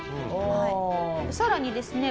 さらにですね